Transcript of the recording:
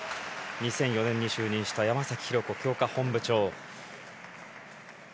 ２００４年に就任したのが山崎浩子強化本部長。